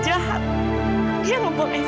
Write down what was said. ibu kandung evita jahat